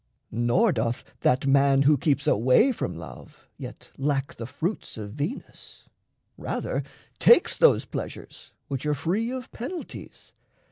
Nor doth that man who keeps away from love Yet lack the fruits of Venus; rather takes Those pleasures which are free of penalties.